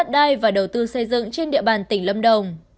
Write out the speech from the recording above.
đầu tư xây dựng trên địa bàn tỉnh lâm đồng